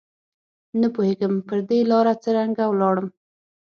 نه پوهېږم پر دې لاره څرنګه ولاړم